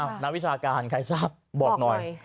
อ้าวนาวิชาการใครทราบบอกหน่อย